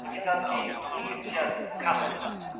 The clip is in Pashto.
دې انقلابونو ټوله نونسمه پېړۍ تر اغېز لاندي راوستې وه.